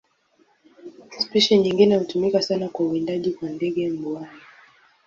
Spishi nyingine hutumika sana kwa uwindaji kwa ndege mbuai.